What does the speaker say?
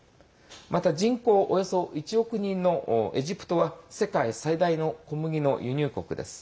また人口およそ１億人のエジプトは世界最大の小麦の輸入国です。